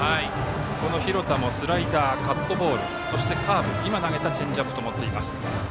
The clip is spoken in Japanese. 廣田もスライダー、カットボールそしてカーブチェンジアップを持っています。